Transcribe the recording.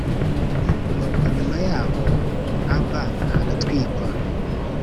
Nuko nyuma yaho Aba haratwikwa